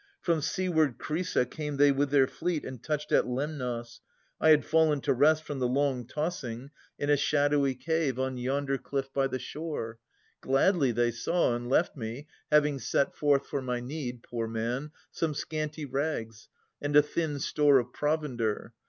From seaward Chrysa came they with their fleet And touched at Lemnos. I had fallen to rest From the long tossing, in a shadowy cave 873 304] Philodetes 277 On yonder cliff by the shore. Gladly they saw, And left me, having set forth for my need. Poor man ! some scanty rags, and a thin store Of provender.